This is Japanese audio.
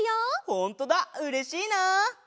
ほんとだうれしいな！